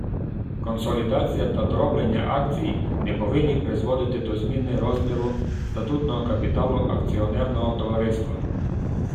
Консолідація та дроблення акцій не повинні призводити до зміни розміру статутного капіталу акціонерного товариства.